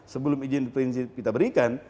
sebelum izin prinsip kita berikan